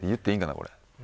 これ。